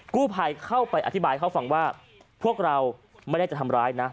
กู้ภัยเข้าไปอธิบายเขาฟังว่าพวกเราไม่ได้จะทำร้ายนะ